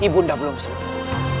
ibu sudah belum sembuh